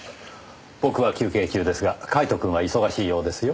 僕は休憩中ですがカイトくんは忙しいようですよ。